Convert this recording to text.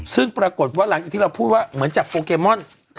ซึ่งปรากฏว่าหลังจากที่เราพูดว่าเหมือนจับโปเกมอน